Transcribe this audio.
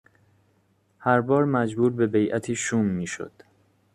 هر بار مجبور به بیعتی شوم میشد